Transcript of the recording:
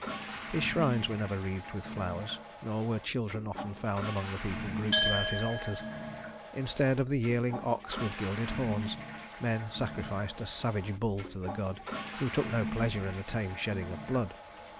His shrines were never wreathed with flowers, nor were children often found among the people grouped about his altars. Instead of the yearling ox with gilded horns, men sacrificed a savage bull to the god who took no pleasure in the tame shedding of blood.